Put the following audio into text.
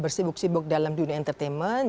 bersibuk sibuk dalam dunia entertainment